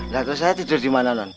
waktu saya tidur di mana non